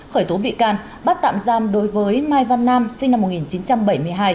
khởi tố bị can bắt tạm giam đối với mai văn nam sinh năm một nghìn chín trăm bảy mươi hai